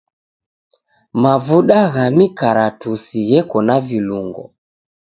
Mavuda gha mikaratusi gheko na vilungo.